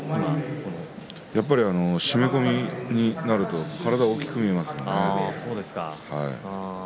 やっぱり締め込みになると体が大きく見えますね。